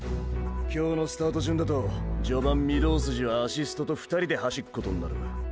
今日のスタート順だと序盤御堂筋はアシストと２人で走っことになる。